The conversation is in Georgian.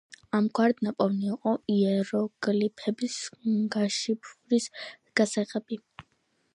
ამგვარად ნაპოვნი იყო იეროგლიფების გაშიფვრის გასაღები.